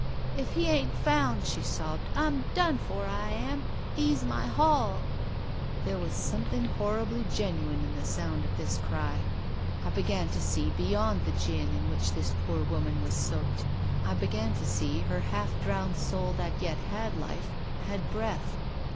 "' If he ain't found,' she sobbed, ' I'm done for, I am ; 'e's my hall.' THE RAINBOW. 4I " There was something horribly genuine in the sound of this cry. I began to see beyond the gin in which this poor woman was soaked ; I began to see her half drowned soul that yet had life, had breath.